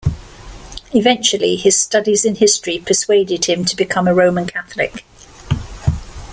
Eventually his studies in history persuaded him to become a Roman Catholic.